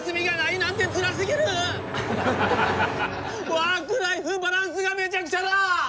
ワークライフバランスがめちゃくちゃだ！